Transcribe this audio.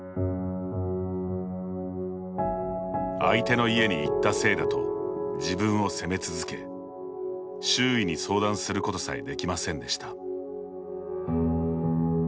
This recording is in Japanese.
相手の家に行ったせいだと自分を責め続け周囲に相談することさえできませんでした。